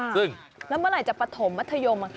แล้วเมื่อไหร่จะประถมมัธยมอ่ะคะ